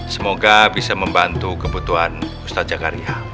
semoga bisa membantu kebutuhan ustadz jakaria